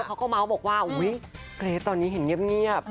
เขาก็เมาส์บอกว่าอุ๊ยเกรทตอนนี้เห็นเงียบ